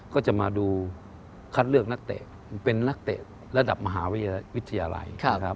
ก็จะมาดูคัดเลือกนักเตะเป็นนักเตะระดับมหาวิทยาลัยนะครับ